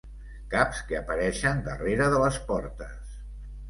Caps que apareixen darrere de les portes.